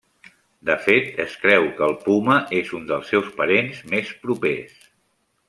De fet, es creu que el puma és un dels seus parents més propers.